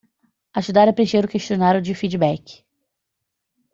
Ajudar a preencher o questionário de feedback